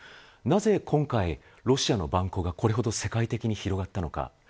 なぜ今回、ロシアの蛮行がこれほど世界的に広がったのか。